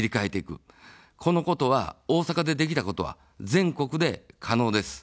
このことは、大阪でできたことは全国で可能です。